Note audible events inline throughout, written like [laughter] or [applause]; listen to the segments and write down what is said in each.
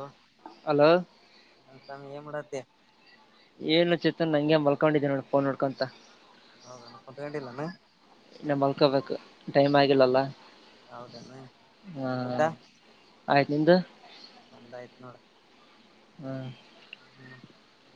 ಅೋ hello ನಸಾಮ ಏನ್ ಮಾಡತ್ತೆ ಏನು ಚಿತ್ರ ನಂಗೆ ಮಲ್ಕೊಂಡಿದ್ದೀ ನೋ ಫೋನ್ ನೋಡ್ಕೊಂತ ಹೌದಣಪ್ಪದಗಡಿಿಲ್ಲಾನ ಇ ಮಲ್ಕೊಬೇಕು ಟೈಮ್ ಆಗಿಲ್ಲಲ್ಲ ಹೌದೇಮ್ಮ ಊಟ ಆಯತಿಂದ ಒಂದ ಆಯ್ತ್ ನೋಡ ಹ್ಮ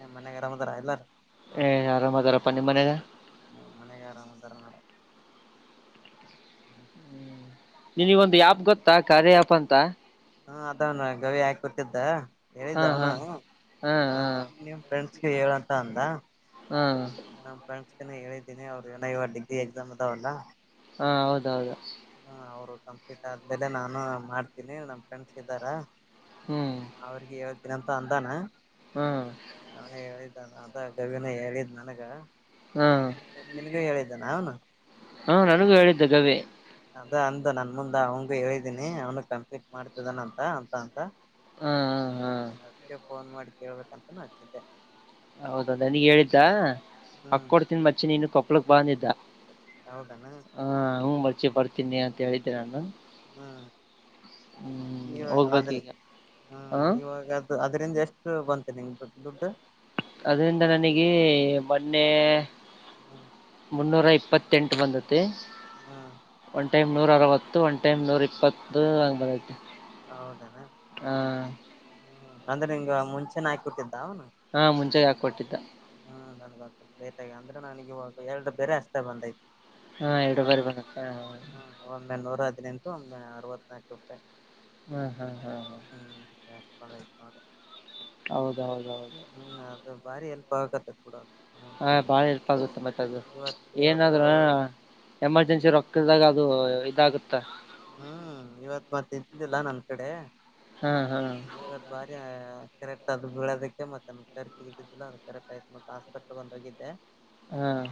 ಹ್ಮ್ ಮನೆ ಗರ ಮ ರಲ್ಲಾರ ಏ ಆರಾಮ್ದಾರಪ್ಪ ನಿಮ್ಮ್ ಮನದ ಹ್ಮ ಮನೆಗೆ ಆರಾಮಂತಾರ ನಡ ಹ್ಮ ನಿಿನಗ ಒಂದು ಆ್ಯಪ್ ಗೊತ್ತಾ ಕಾರರೆ ಆಪ್ ಅಂತ ಹಾ ಅದವನು ಗವಿ ಹಾಕ ಕೊತಿದ್ದ ಹಾ ಹೇಳಿದ್ದ ಹಾ ಅವನು ಹಾ ಹ ಹಾ ನಿ್ ಫ್ರೆಂಡ್ಸ್ ಹೇಳಂತ ಅಂದ ಹ್ಮ ನಮ್ ಫ್ರೆಂಡ್ಸ್ಗೆನ ಹೇಳಿದ್ದೀನಿ ಅವ್ರು ಏನ ಇವ ಡಿಗ್ರಿ ಎಕ್ಸಾಮ್ ಅದಾವಲ್ಲ ಹಾ ಹೌದೌದು ಹ್ಮ ಅವರು ಕಂಪ್ಲೀಟ್ ಆದ್ಮೇಲೆ ನಾನು ಮಾಡ್ತೀನಿ ನಮ್ ಫ್ರೆಂಡ್ಸ್ ಇದ್ದಾರ ಹ್ಮ್ ಅವ್ರಿಗೆ ಹಏಳ್ ದಿನಂತ ಅಂದಾನ ಹ್ಮ ಂತ ಗವಿನ ಹೇಳಿದ್ ನನಗ ಹಾ ನಿನ್ಗೂ ಹೇಳಿದ್ದಾನ ಅವನು ಹಾ ನನಗೂ ಹೇಳಿದ್ದೆ ಕವಿ ಅದ ಅಂದ ನನ್ ಮುಂದ್ ಅವಂಗ ಹೇಳಿದೀನಿ ಅವನ ಕಂಪ್ಲೀಟ್ ಮಾಡ್ತಿದಾನಂತ ಅಂತ ಅಂತ ಹ್ಮ್ ಹ್ಮ್ ಹ್ಮ್ ಕೇಳ್ಬೇಕಂತನೂ ಅಚ್ಚುತ್ತೆ ಹೌದ ನನಗ್ ಹೇಳಿದ್ದ ಹಕ್ಕ ಹ್ಮ್ ಕೊಡ್ತನ್ ಮಚ್ಚಿನ ನೀನು ಕೊಪ್ಲಕ್ ಬಂದಿದ್ದ ಹೌದಾನ ಹಾ ಹ್ಞ ಮರ್ಚಿ ಬರ್ತೀನಿ ಅಂತ ಹೇಳಿದ್ದೆ ನಾನು ಹ್ಮ್ ಹ್ಮ್ ಇವ ಆದ್ರೆ ಹೋಗ್ಬೇಕೀಗ ಹ ಹ್ಮ ಇವಾಗ ಅದು ಅದ್ರಂದ ಎಷ್ಟು ಬಂತ ಎ ಇ ಅದ್ರಂದ ನನಗೆ ಮೊನ್ನೆ ಹಾ ಮುನ್ನೂರ ಇಪ್ಪತ್ತೆಂಟು ಬಂದತೆೆ ಹ್ಮ್ ಒಂದು ಟೈಮ್ ನೂರ ಅರವತ್ತು ಒನ್ ಎತ್ತ ಎನೂರು ಇಪ್ಪತ್ತು ಅಂಗ್ಬದೈು ಹೌದನಾ ಹಾ ಹ್ಮ್ ಅಂದ್ರೆ ನಿಂಗ ಮುಂಚೆ ಆಕಿ ಕೊಟ್ಟಿದ್ದ್ ಹಾ ಮುಂಚೆೆಗೆ ಹಾಕ ಕೊೊಟ್ಟಿದ್ದ ಹ್ಮ್ ನನ್ ಲೇಟ್ ಆಗ ಅಂದ್ರೆ ನನ ಇವಾಗ ಎರಡು ಬೇರೆ ಅಷ್ಟೇ ಬಂದೈ್ತು ಹಾಂ ಎರಡು ಬಾರಿ ಬಂದೈತೆ ಹಾಂ ಹ ಒಂದನೂರ ಂಂದ ಅವತ್ನಾಲ್ಕ ರೂಪಾಯಿ ಹ್ಮ ಹ್ಮ ಹ್ಮ ಹ ಹ್ಮ್ [inaudible] ಹೌದೌದೌದು ಸ್ಗ ಕೂಡ ಹ ಬಾಳ ಇಲ್ಪ ಆಗುತ್ತೆ ಮತ್ತೆ ಅದು ಇವತ್ ಇವತ್ತು ಏನಾದ್ ಎಮರ್ಜೆನ್ಸಿ ರೊಕ್ಕದಾಗ ಅದು ಇದಾಗುತ್ತೆ ಹ್ಮ್ ಇವತ್ ಮತ್ತೆ ಇದ್ದಿಲ್ಲ ನನ್ ಕಡೆ ಹಾಂ ಹಾಂ ಇತ್ ಬಾರ ಕರೆಕ್ಟ್ ಅದು ಬಳೋದಕ್ಕೆ ಮತ್ತ ಕರ್ ತಗ್ದಿದ್ದಿಲ್ಲ ಅದು ಕರೆಕ್ಟ್ ಆಯತು ಮತ್ತ ಹಾಸ್ಪಿಟಲ್ ಬಂದ ಹೋಗಿದ್ದೆ ಹ್ಮ್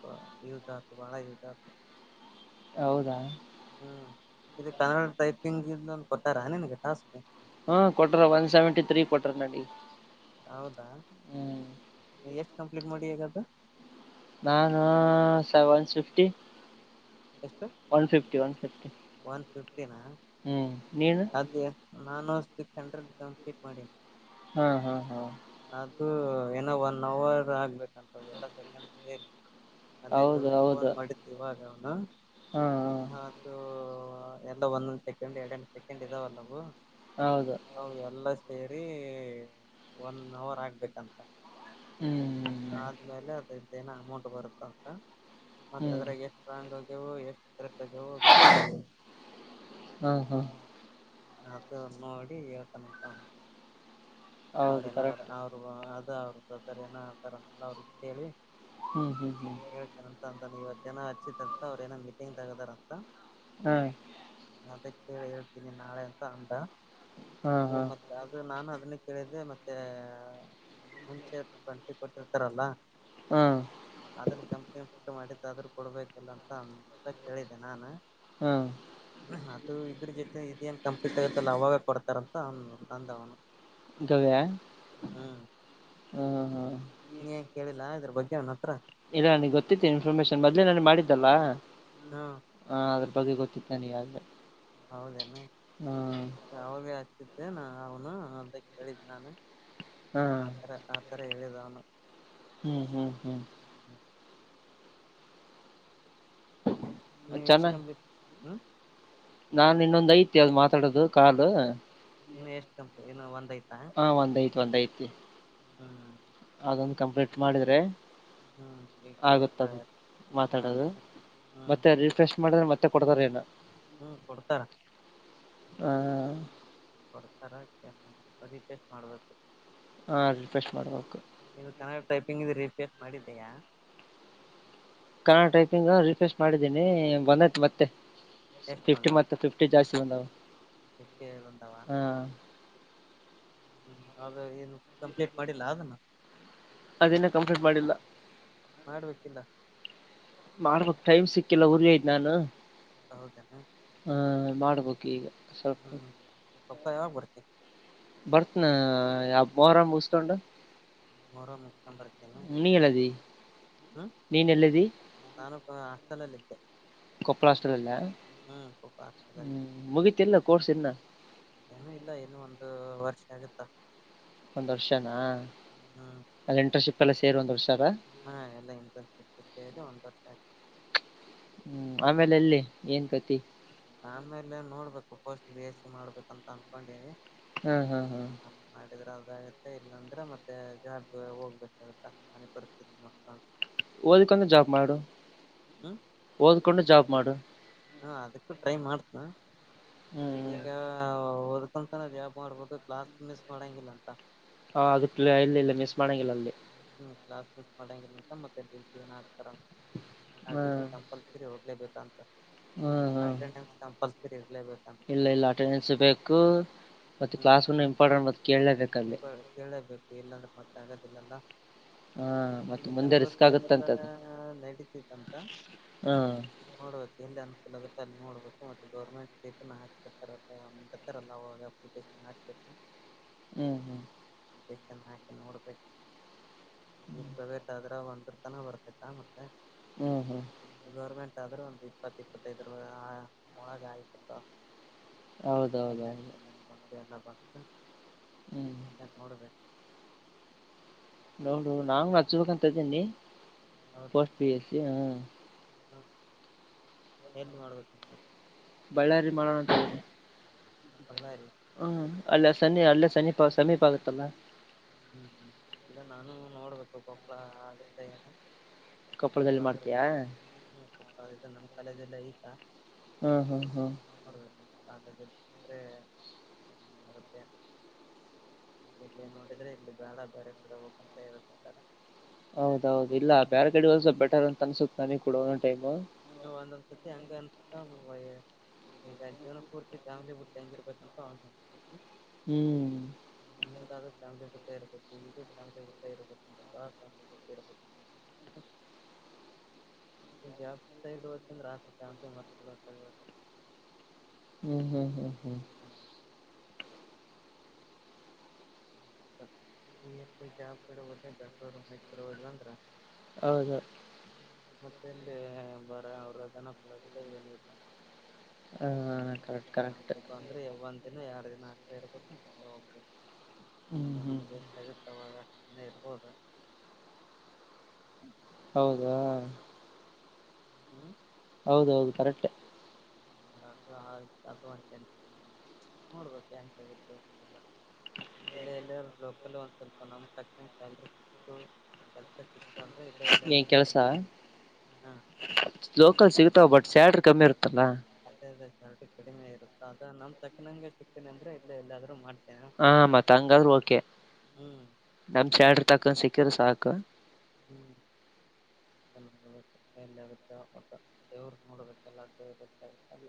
ಪ ಯೂಸ ಮಳ ಯೂಸ ಹೌದಾ ಇದು ಕನ್ನಡ ಟೈಪಿಂಗ್ ಇ ಕೊಟ್ಟಾರ ನಿನಗೆ ಟಾಸ್ಕ್ ಹ್ಮ ಕೊಟ್ರ ಒನ್ ಸೆವೆಂಟಿ ತ್ರೀ ಕೊಟ್ರ ನಡಿ ಹೌದಾ ಎಷ್ಟು ಕಂಪ್ಲೀಟ್ ಮಾಡಿ ಹದು ನಾನು ಸೆವೆನ್ ಫಿಫ್ಟಿ ಎಷ್ಟು ಒನ್ಫಿಫ್ಟಿ ಒನ್ಫಿಫ್ಟಿ ಅದ ನಾನು ಸಿಕ್ ಹಂಡ್ರೆಡ್ ಕಂಪ್ಲೀಟ್ ಮಾಡಿ ಹ್ಮ್ ಹ್ಮ ಹಾ್ ಅದುೂ ಏನೋ ಒನ್ ಅವರ್ ಆಗ್ಬೇಕು ಎಲ್ಲ ಸೆಕಂಡ್ ಸೇರಿ ಅದೇ ಹೌದು ಗವ ಫೋನ್ ಹೌದು ಮಾಡಿತ್ ಇವಾಗ ಅವನು ಹಾ ಹಾತ ಎಲ್ಲ ಒಂದೊಂದ್ ಸೆಕೆಂಡ್ ಎರಡ್ಂ ಸೆಕೆಂಡ್ ಇದಾವಲ್ಲವು ಹೌದು ಅವು ಎಲ್ಲ ಸೇರಿ ಒನ್ ಅವರ್ ಆಗ್ಬೇಕಂತ ಹ್ಮ್ ಆದ್ಮೇಲೆ ಅದ್ರ ಏನ ಅಮೌಂಟ್ ಬರುತ್ತ ಅಂತ ಹ್ಮ್ ಮತ್ತ ಹ್ಮ್ ಅದ್ರಾಗ ಎಷ್ಟ್ರಾಂಗ್ ಆ ಎಷ್ಟ ತರತವೋ ಗೊತ್ತ ಹಾ ಹಾ ಅದು ನೋಡಿ ಹೇಳ್ತಾನಪ್ಪ ಹೌದು ಅವ್ರೇನ್ರ ಕರೆಕ್ಟ್ ಅವರು ಅ ಏನ ಹತಾರ ಅಂತೆ ಅವ್ರಿಗೆ ಕೇಳಿ ಹ್ಮ್ ಹ್ಮ್ ಹ್ಮ್ ಇವತ್ ಜನ ಹಚ್ಚಿದ ಅಂತ ಅವ್ರಏನೋ ಮೀಟಿಂಗ್ ತಗದಾರ ಅಂತ ಹ್ಮ್ ಕಿ ಹೇಳ್ತೀನಿ ನಾಳೆ ಅಂತ ಅಂಡ ಹಾ ಈ ಹಾ ಮತ್ತೆ ಅದು ನಾನು ಅದನ್ನ ಕಳಿದ ಮತ್ತೆ ಮುಂಚೆ ಬಂಟಿ ಕೊಟ್ಟಿರ್ತಾರಲ್ಲ ಹಾ ಅದನ್ನು ಕಂ ಮಾಡಿದ್ದಾದ್ರೂ ಕೊಡ್ಬೇಕಲ್ಲ ಅಂತ ಅಂತ ಕೇಳಿದೆೆ ನಾನು ಹಾ ಅದು ಇದ್ರ ಜೊತೆ ಇದೇನ್ ಕಂಪ್ಲೀಟ್ ಆಗುತ್ತಲ್ಲ ಅವಾಗ ಕೊಡ್ತ ಕರ ಆನಂತಾಂತ ಆಾವನ ಗವ್ಯಾ ಹ್ಮ ಹಾ ನೀ ನ್ ಕೇಳಿಲ್ಲ ಇದ್ರ ಬಗ್ಗೆ ಅವ ಇಲ್ಲ ನನಗ್ ಗೊತ್ತತ್ತೀನಿ ಇನ್ಫಾರ್ಮೇಶನ್ ಮದ್ಲೇ ನಾನು ಮಾಡಿದ್ದಲ್ಲ ಹ್ಮ್ ಹ ಆದ್ರೆ ಬಗ್ಗೆ ಗೊತ್ತಿತ್ತಾನಗೆ ಹೌದೇನು ಅವ ಭ ಹಚ್ಚಿದ್ದ ನ ಅವನು ಅಂತ ಕೇಳಿದ್ ನಾನು ಹಾ ಆತರ ಆತರ ಹೇಳಿದ ಅವ್ನು. ಹ್ಮ್ ಹ್ಮ್ ಹ್ಮ್ ನೀ ಎಷ್ಟ ಕಮ್ಮ ಬಿತ್ತ ಹ್ಮ್ - ನಾ ಇನ್ನೊಂದ್ ಐತಿ ಅದು ಮಾತಾಡೋದು ಕಾದು ಇನ್ನು ಎಷ್ಟು ಕಂಪ ಇನ್ನು ಒಂದ್ ಆಯ್ತಾ? ಹಾ ಒಂದ್ [unintelligible] ಹ್ಮ. ಅದೊಂದು ಕಂಪ್ಲೀಟ್ ಮಾಡಿದ್ರೆ. ಹ್ಮ್ ಈಗ ಎಷ್ಟ ಆಗುತ್ತದ ಮಾತಾಡೋದು- ಹೌದೇನ ಹ್ಮ್ ಮತ್ತೆ ರೀಫ್ರೆಶ್ ಮಾಡಿದ್ರೆ ಮತ್ತೆ ಕೊಡ್ತಾರ ಏನ? ಹ್ಮ್ ಕೊಡ್ತಾರ. ಹಾ. ಕೊಡ್ತಾರ ರಿಫ್ರೆಶ್ ಮಾಡ್ಬೇಕ. ಹಾ ರಿಫ್ರೆಶ್ ಮಾಡ್ಬೇಕು ಇದು ಕನ್ನಡ ಟೈಪಿಂಗ್ ಇದೆ ರೀಪೇರ್ ಮಾಡಿದಯಾ. ಕನ್ನಡ ಟೈಪಿಂಗ್ ರಿಫ್ರೆಶ್ ಮಾಡಿದ್ದೀನಿ ಬಂದೈತ್ ಮತ್ತೆ ಎಷ್ಟು ಫಿಫ್ಟಿ ಬಂದವ ಮತ್ತೆ ಫಿಫ್ಟಿ ಜಾಸ್ತಿ ಚಂದಾವ. [unintelligible] ಹ್ಮ್ ಅದ ಏನು ಕಂಪ್ಲೀಟ್ ಮಾಡಿಲ್ಲ ಅದನ್ನ? ಅದ ಇನ್ನ ಕಂಪ್ಲೀಟ್ ಮಾಡಿಲ್ಲ ಮಾಡ್ಬೇಕಿಲ್ಲ ಮಾಡಬೇಕ್ ಟೈಮ್ ಸಿಕ್ ಕ್ಕಿಲ್ಲ ಊರಿಗೆ ಹೋಗಿದ್ದೆ ನಾನು ಹೌದೇನಾ ಹ ಮಾಡ್ಬೇಕು ಈಗ. ಸಲ್ಪ ಪಪ್ಪಾ ಯಾವಾಗ ಬರ್ತೀ? ಬರ್ತಿನ ಯಬ್ ಮೊಹರಂ ಮುಸ್ಕೊಂಡು. ಮೊಹರಂ ಮುಗಿಸಿಕೊಂಡು ಬರ್ತಿ ಏನ್? ಎಲ್ಲದಿ ಹ್ಮ ನೀನ್ ಎಲ್ಲದಿ ನಾನೂಬ್ಬ ಹಾಸ್ಟೆಲಲ್ಲಿ ಇದ್ದೆ. ಕೊಪ್ಪಳ ಹಾಸ್ಟೆಲಲ್ಲೈ ಹ್ಮ್ ಪಾಪ ಹಾಸ್ಟೆಲಲ್ಲಿ ಹ್ಮ ಮುಗತಿ ಇಲ್ಲ ಕೋರ್ಸ ಇನ್ನ - ಏನೂ ಇಲ್ಲ ಇನ್ನು ಒಂದು ವರ್ಷ ಆಗತ್ತಾ. ಒಂದ್ ವರ್ಷನಾ ಅಲ್ಲಿ ಇಂಟರ್ನ್ಶಿಪ್ ಎಲ್ಲ ಸೇರಿ ಒಂದ್ ವರ್ಷ ಆದ. ಹಾ ಎಲ್ಲ ಇಂಟರ್ನ್ಶಿಪ್ ಎಲ್ಲ ಸೇರಿ ಒಂದ ವರ್ಷ. ಹ್ಮ್ ಆಮೇಲೆ ಎಲ್ಲಿ ಏನ್ ಕಥಿ. ಆಮೇಲೆ ನೋಡ್ಬೇಕು ಪೋಸ್ಟ್ ಬಿ ಎಸ್ ಸಿ ಮಾಡ್ಬೇಕಂತ ಅನ್ಕೊಂಡಿನಿ. ಹ್ಮ್ ಹ್ಮ್. ಇದ್ರಾಗ [unintelligible] ಇಲ್ಲಾಂದ್ರ ಮತ್ತೆ ಜಾಬ್ಗೆ ಹೋಗ್ಬೇಕಾಗ ಹಾನಿ ಪರಿಸ್ಥಿತಿ ನೋಡ್ಕೊಂಡ್. ಓದ್ಕೊಂಡು ಜಾಬ್ ಮಾಡು ಹ್ಮ್ ಓದ್ಕೊಂಡು ಜಾಬ್ ಮಾಡು. ಹ ಅದಕ್ಕೂ ಟ್ರೈ ಮಾಡ್ತಿನ ಹ ಈಗ. ಅಂಕೋತಾನಾ ಜಾಬ್ ಮಾಡ್ಬೋಕು ಕ್ಲಾಸ್ ಮಿಸ್ ಮಾಡಂಗಿಲ್ಲ ಅಂತ. ಹಾ ಆಗತ್ಲ್ಲ ಅಲ್ಲಿ ಇಲ್ಲ ಮಿಸ್ ಮಾಡಂಗಿಲ್ಲ ಅಲ್ಲಿ. ಹ್ಮ್ ಕ್ಲಾಸ್ ಮಿಸ್ ಮಾಡಂಗಿಲ್ಲ ಅಂತ ಮತ್ತೆ ದನ್ಸ ಡೈನ್ ಆಗ್ತಾರಂತ. ನೈಟ್ ಡ್ಯೂಟಿ ಹ್ಮ್ ಕಂಪಲ್ಸರಿ ಹೋಗ್ಲೇಬೇಕು. ಹ್ಮ್ ಹ್ಮ್ ಕಂಪಲ್ಸರಿ ಇರ್ಲೇಬೇಕಂತ ಇಲ್ಲ ಇಲ್ಲ ಅಟೆಂಡೆನ್ಸ್ ಬೇಕು. ಮತ್ತ ಕ್ಲಾಸ್ನು ಇಂಪೋರ್ಟೆಂಟ್ ಮತ್ತ ಕೇಳ್ ಕೇಳೆಬೇಕು ಇಲ್ಲಾಂದ್ರೆ ಮತ್ತೆ ಆಗದಿಲ್ಲಲ್ಲ. ಹ ಹ್ಮ ಮತ್ತೆ ಮುಂದೆ ಬೆಂಗ್ಗಳೂರ್ ರಿಸ್ಕ್ ಸೈಡ್ ಎಲ್ಲ ಆಗುತ್ತಂತ ಅದು ನಡೀತಿತ್ತಂತ. ಹಾ ನೋಡ್ಬೇಕ ಎಲ್ಲಿ ಅನುಕೂಲ ಆಗುತ್ತೆ. ನೋಡ್ಬೇಕು ಮತ್ತೆ ಗೌರ್ಮೆಂಟ್ ಇದನ್ನ ಹಾಕ್ತೀರ್ತರ ಅಲ್ಲ ಆವಾಗ ಅಪ್ಲಿಕೇಶನ್ ಹಾಕ್ಬೇಕು. ಹ್ಮ್. ಅಪ್ಲಿಕೇಶನ್ ಹಾಕಿ ನೋಡ್ಬೇಕು ಇದ ಪ್ರೈವೇಟ್ ಆದ್ರ ಒಂದ [unintelligible] ಬರ್ತಿತ್ತ ಮತ್ತೆ. ಹ್ಮ್ ಹ್ಮ್. ಆದ್ರೂ ಒಂದು ಇಪ್ಪತ್ತ ಇಪ್ಪತ್ತೈದರ ಒಳಗ ಆಯತಪ್ಪ. ಹೌದೌದೌದು ಎಲ್ಲ ಬಂದು ಹ್ಮ್ ಯ ನೋಡ್ಬೇಕ ನೋಡು ನಾ್ ನಚ್ಬೇಕಂತ ಇದೀನಿ ಪೋಸ್ಟ್ ಪಿ ಎಸ ಹ ಹಾ ಎಲ್ಲಿ ಮಾಡ್ಬೇಕುಂತ ಬಳ್ಳಾರಿ ಮಾಡಣ ಬಳ್ಳಾರಿ ಹ್ಮ್ ಅಲ್ಲ ಸನಿ ಅಲ್ಲೆ ಸನಿಪ ಸೀಪ ಆಗತ್ತಲ್ಲ ಹ್ಮ್ ಹ್ಮ್ ಇಲ್ಲ ನಾನು ನೋಡ್ಬೇಕು ಗೋಪ್ಲ ಆಗತ್ತೆ ಏನ ಕೊಪ್ಪಳದಲ್ಲಿ ಮಾಡ್ತೀಯಾ ಸ ಇದು ನಮ್ಮ್ ಕಾಲಲ್ಲ ಆಯ್ತಾ ಹ್ಮ್ ಹ್ಮ್ ಹ್ಮ್ ದ್ರೆ ಚಾಗುತ್ತೆ ಎಲ್ಲ ನೋಡಿ ಇಲ್ಲಿ ಬಾಳ ಬೇರೆ ಕೂಡೆ ಹೋಗ ಅಂತ ಹೇಳ್ತಾರೆ ಹೌದೌದು ಇಲ್ಲ ಬೇರೆ ಕಡೆ ಒ ಸ್ವಲ್ ಬೆಟರ್ ಅಂತ ಅನ್ಸುತ್ತತ್ ನನ ಕೂಡ ಒಂದಂದು ಟೈಮ್ ನೀ ಅಂದತಿ ಅಂಗ ಅ ಈಗ ಜೀವನ ಪೂರ್ತಿ ಜಾಮ್ಲಿ ಬಿುಟ್ಟು ಹೆಂಗಿರ್ಬೇಕಂತ ಅವತ ಹ್ಮ್ ಕಾಮಿಪಟ್ಟ ಇಬೇಕು ಇದು ತಂಬಿಪಟ್ಟ ಇರಬೇಕು ಕಾರ್ ಕಾಮಿಪಟ್ಟ ಇಬೇಕ ಹ ಜಾಬ್ ಸೈಡ್ತ ರತ ಚಂಪ ಮರ್ತ ಹ್ಮ್ ಹ್ಮ್ ಹ್ಮ್ ಹ್ಮ್ ವ ಕಡೆ ಹದಟರುಮರ್ ಹದಂದ್ರ ಹೌದು ದು ಬರ ಅವ್ರಧನ ಪಡದಲ್ಲ ಏನಿಲ್ಲ ಹ್ಮ ಕಾಣತಿ ಬಂದ್ರೆ ಒಂದ್ ದಿನ ಯಾರ್ ದಿನ ಆಗ್ತಾ ಇರ್ಬೇಕತ ಹ್ಮ್ ಹೋಗ್ಬೇಕು ಹ್ಮ್ ನಮ್ಗೆ ಹೆ ಆಗುತ್ತವಾಗ ಏನೇ ಇರ್ಬೋುದು ಹೌದಾ ಹ್ಮ್ ಹೌದೌದು ಕರೆಕ್ಟ್ ಅದು ಆಯ್ತು ಅದು ಅಂತನ್ ನೋಡ್ಬೇಕು ಎಂತಗುತ್ತೆ ಇಲ್ಲ ಎಲ್ಲ ಲೋಕಲ್ ಒಂದ್ ಸ್ವಲ್ಪ ನಮ ಕಟ್ಲ್ರಿ ಸಿಕ್ತು ಕೆಲ್ಸ ಸಿಕ್ತು ಅಂದ್ರೆ ಇಲ್ಲ ನೀ ಎಲ್ಲಾದ್ರೂ ಕೆಲ್ಸ ಮಾಡ್ತೇನೆ ಹಾ ಲೋಕಲ್ ಸಿಗತಾವ ಬಟ್ ಸ್ಯಾಲ್ ಕಮ್ಮಿ ಇರ್ತ ಅದೇ ಅದೇ ಕಡಿಮೆ ಇರುತ್ತ ಅದ ನಮ್ ತಕ್ಕನಂಗ ಸಿಕ್ಕೇನೆ ಅಂದ್ರೆ ಇಲ್ಲ ಎಲ್ಲಾದ್ರೂ ಮಾಡ್ತ ಹ ಮತ್ಂಗಾದ್ರು ಓಕೆ ಹ್ಮ್ ನಮ್ ಚ್ಯಾಡ್ರಿ ನೋಡ್ಬೇಕು ತಕೊಂಡ್ ಸಿಕ್ಕ್ರ ಸಾಕು ಹ್ಮ್ ಹ ಎಂದಾಗುತ್ತಾ ಮತ್ತ ದೇವ್ರ ನೋಡ್ಬೇಕಲ್ಲ ಅಗುತ್ತ ಅಲ್ಲ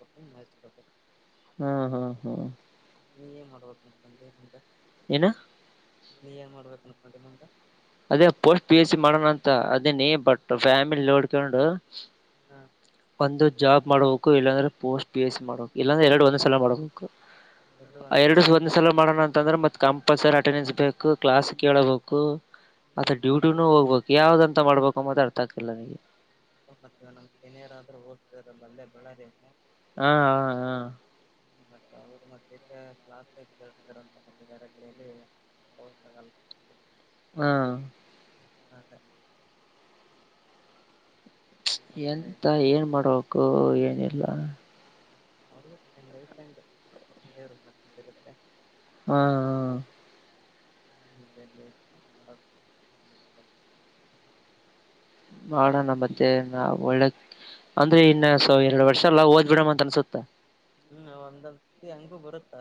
ಕಟ್ಟು ನ ಕಬೇಕ ಹ್ಮ್ ಹಾ ಹ್ಮ್ ನೀ ಏನ್ ಮಾಡ್ಬೋದುಂದೆದ ಇಏನು ನೀ ಏನ್ ಮಾಡ್ಬೇಕ ಅನ್ಕ ಮಂತ ಅದೇ ಪೋಸ್ಟ್ ಪಿ ಎಚ್ ಸಿ ಮಾಡೋಣ ಅಂತ ಅದೇನ ಬಟ್ ಫ್ಯಾಮಿಲಿ ನೋಡ್ಕೊಂಡು ಹ ಒಂದು ಜಾಬ್ ಮಾಡಬೇಕು ಇಲ್ಲಾಂದ್ರೆ ಪೋಸ್ಟ್ಸ್ ಮಾಡ ಎಲ್ಲಾ ಎರಡು ಒಂದು ಸಲ ಮಾಡೋ ಎರಡು ಒಂದ್ ಸಲ ಮಾಡೋಣ ಅಂತ ಅಂದ್ರೆ ಮತ್ ಕಂಪಲ್ಸರಿ ಅಟೆಂಡೆನ್ಸ್ ಬೇಕು ಕ್ಲಾಸ್ ಹ್ಮ್ ಕೇಳಬೇಕು ಅಥ ಹ್ಮ್ ಮತ್ತೆ ಡ್ಯೂಟಿನೂ ಹೋಗ್ಬೇಕು ಯಾವ್ದಂತ ಮಾಡ್ಬೇಕು ಅಮ್ಮದ ಅರ್ಥಕ್ಕೆಲ್ಲ ನಗೆ ಮತ್ತ ನಮ್ಮ ಸನಿಯರಾದ್ರೂ ಹೋಗ್ತ ಅಲ್ಲೇ ಬೆಳ್ಳದೇನು ಹಾ ಹಾ ಹಾ ಮತ್ತ ಅವರು ಮತ್ತೆ ಕ್ಲಾಸ್ ಕಳ್ತಾರಂತ ಮತ್ತೆ ಬೇರೆ ಕಡೆಯಲ್ಲಿ ಹೌ ಸಕ ಹಾ ಹೌದ ಎಂತ ಏನ್ ಮಾಡಬೇಕು ಏನಿಲ್ಲ ಅವರು ಚಂಗ ತಂಡು ದೇವರು ಮತಿದ್ದಿರುತ್ತೆ ಹಾ ಹಾ ನಿ ಮಾಡೋಣ ಮತ್ತೆ ನಾ ಒಳ್ಳಕ್ ಅಂದ್ರೆ ಇನ್ನ ಸ ಎರಡು ವರ್ಷ ಅಲ್ಲಾ ಓದ್ಬ ಬಿಡಮ ಅಂತ ಅನ್ಸುತ್ತ ಹ್ಮ್ ಒಂದ್ತ್ತ ಹಂಗು ಬರುತ್ತ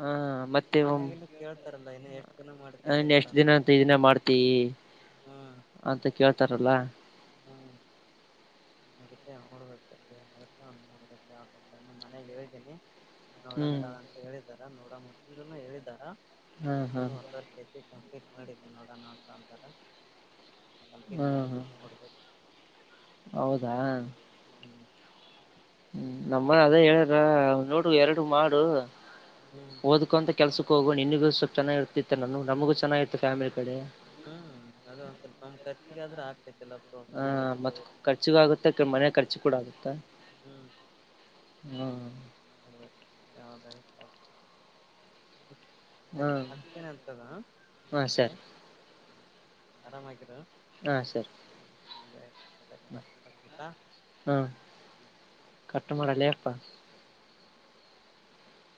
ಹಾ ಮತ್ತೆನ್ ಕೇಳ್ತಾರಲ್ಲ ಇನ್ನು ಎಷ್ಟ್ ದಿನ ಮಾಡ್ತಿ ಇದೇ ತರ ಎಷ್ಟ ದಿನ ಅಂತ ಇದನ್ನ ಮಾಡ್ತಿ ಹ್ಮ್ ಅಂತ ಕೇಳ್ತಾರಲ್ಲ ಹ್ಮ್ ಅ ನೋಡ್ ಏನ್ಗುತ್ತೆ ನೋಡ್ ಇನ್ನು ಮನೆಗ್ ಹೇಳಿದ್ದೀನಿ ಹ್ಮ್ ನೋಡಂತಾಳ ಅಂತ ಹೇಳಿದಾರ ನೋಡ ಮುನು ಹೇಳಿದಾರ ಹ್ಮ್ ಹ್ಮ್ ಇನ್ನು ಹೊವ ಚೇತಿ ಕಂಪ್ಲೀಟ್ ಮಾಡಿದ್ದು ನೋಡೋಣ ಅಂತ ಅಂದಾಗ ಕಂಪ್ಲೀಟ್ ಹ್ಮ್ ಹ್ಮ್ ಮಾಡಿದ ಕೊಡ್ಬೇಕು ಹೌದಾ ಹ್ಮ್ ಹ್ಮ ನಮ್ಮನ್ ಅದ ಹೇಳ್ರ ನೋಡು ಎರಡು ಮಾಡು ಹ್ಮ್ ಓದ್ಕೊಂತ ಕೆಲ್ಸಕ್ ಹೋಗುವ ನಿನ್ನ ಸ್ವಲ್ಪ ಚೆಾಗಿರ್ತಿತ್ತ ನಮಗೂ ಚೆನ್ನಾಗಿತ್ತು ಫ್ಯಾಮಿಲಿ ಕಡೆ ಹ್ಮ್ ಅದ ಒಂದ್ ಸ್ವಲ್ಪ ನಮ್ಖರ್ಚಗಾದ್ರ ಹ ಮತ್ತ ಖರ್ಚಗ ಆಗುತ್ತ ಮನೆ ಖರ್ಚು ಕೂಡ ಆಗುತ್ತಾ ಹ್ಮ್ ಹ್ಮ್ ಅ ಯದ ಹಾ ಹಾ ಸರಿ ಆರಾಮಾಗಿರ ಹಾ ಸರಿ ಬಾಯ್ ಹ್ಮ ಕಟ್ಟು ಮಾಡಲ್ಲ ಇಪ್ಪ